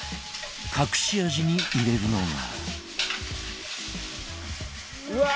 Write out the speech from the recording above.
隠し味に入れるのが。